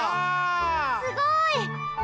すごい！